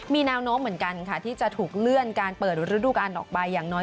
มีแนวโน้มเหมือนกันค่ะที่จะถูกเลื่อนการเปิดฤดูการออกไปอย่างน้อย